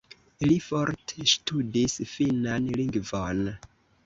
Li forte ŝtudis finnan lingvon.